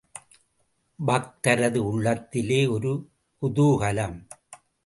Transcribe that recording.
பக்தரது உள்ளத்திலே ஒரே குதூகலம்.